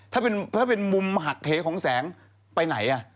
ถ้าเป็นมุมหักเหของแสงไปไหน